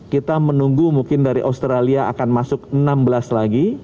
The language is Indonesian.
kita menunggu mungkin dari australia akan masuk enam belas lagi